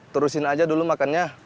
terusin aja dulu makannya